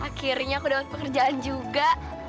akhirnya aku dapat pekerjaan juga